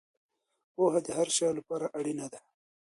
پوهه د هر چا لپاره اړینه ده.